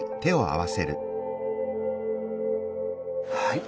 はい。